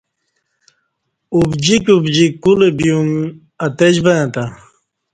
ابجیک ابجیک کولہ بیوم اتجبں تں